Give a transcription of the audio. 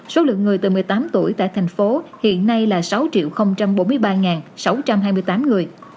số lượng người từ một mươi tám tuổi tại thành phố hiện nay là sáu bốn mươi ba sáu trăm hai mươi tám người